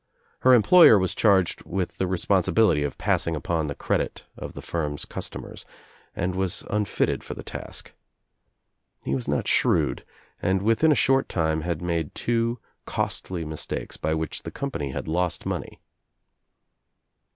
Her employer was charged with the responsibility of passing upon the credit of the firm's customers and was unfitted for the task. He was not shrewd and within a short time had made two costly mistakes by which the company had , lost money.